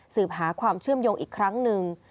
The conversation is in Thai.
หาความเชื่อมโยงอีกครั้งหนึ่ง